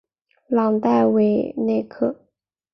朗代韦内克。